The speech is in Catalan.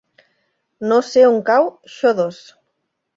No sé on cau Xodos.